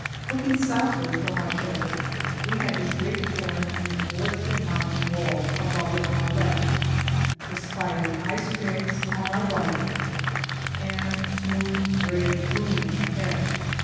Looking southward from our shelter, we had this great torrent and the forested mountain wall above it on our left, the spiry ice crags on our right, and smooth gray gloom ahead.